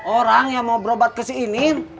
orang yang mau berobat ke si inin